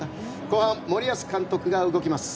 後半、森保監督が動きます。